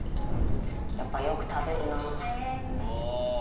やっぱよく食べるな。